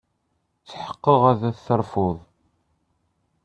Tḥeqqeɣ ad terfuḍ.